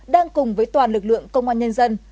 đang cùng với toàn lực lượng công an nhân dân